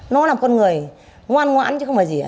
nó là con người ngoan ngoãn chứ không phải gì